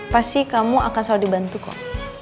pasti kamu akan selalu dibantu kok